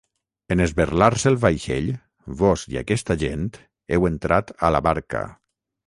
En esberlar-se el vaixell, vós i aquesta gent heu entrat a la barca.